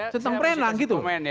setengah perenang gitu